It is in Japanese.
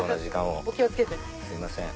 すいません